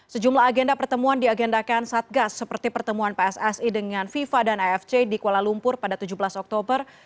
sejumlah agenda pertemuan diagendakan satgas seperti pertemuan pssi dengan fifa dan afc di kuala lumpur pada tujuh belas oktober